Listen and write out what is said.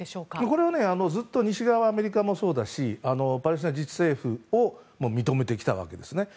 これはずっと西側はアメリカもそうだしパレスチナ自治政府を認めてきたわけですね。